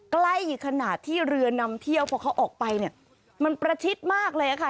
ใกล้ขนาดที่เรือนำเที่ยวพอเขาออกไปเนี่ยมันประชิดมากเลยค่ะ